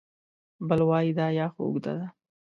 بل وای دا یا خو اوږده ده